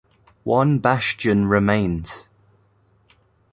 One bastion remains.